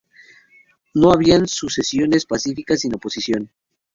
No habían sucesiones pacíficas sin oposición.